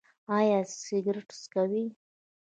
ایا سګرټ څکوئ؟